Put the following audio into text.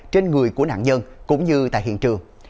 trên người của nạn nhân cũng như tại hiện trường